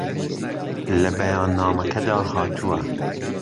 لە بەیاننامەکەدا هاتووە